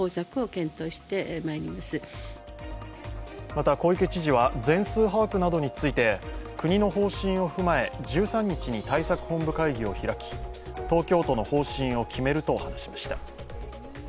また、小池知事は全数把握などについて国の方針を踏まえ、１３日に対策本部会議を開き、東京都の方針を決めると話しました。